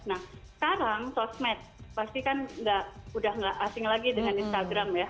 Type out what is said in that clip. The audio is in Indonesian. nah sekarang sosmed pasti kan udah nggak asing lagi dengan instagram ya